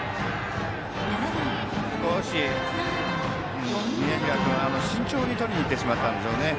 少し宮平君、慎重にとりにいってしまったんでしょう。